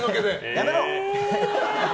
やめろ！